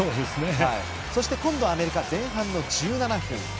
そして、今度はアメリカ前半の１７分。